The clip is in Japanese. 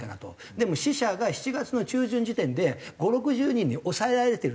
でも死者が７月の中旬時点で５０６０人に抑えられてるらしいんですね。